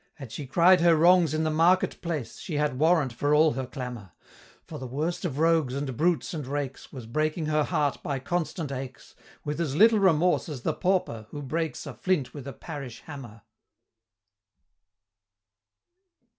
Had she cried her wrongs in the market place, She had warrant for all her clamor For the worst of rogues, and brutes, and rakes, Was breaking her heart by constant aches, With as little remorse as the Pauper, who breaks A flint with a parish hammer!